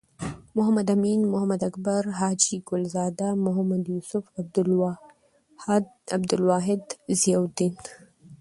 محمد امین.محمد اکبر.حاجی ګل زاده. محمد یوسف.عبدالواحد.ضیاالدین